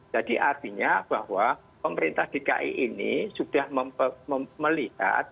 artinya bahwa pemerintah dki ini sudah melihat